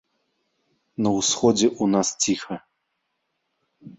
На ўсходзе ў нас ціха.